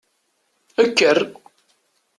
Ekker!